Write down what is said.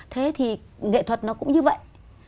thế thì nghệ thuật nó cũng như vậy